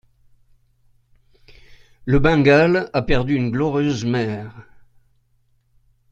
Le Bengale a perdu une glorieuse mère.